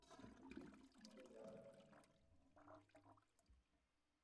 Makoy amuch anyo anendet inguno.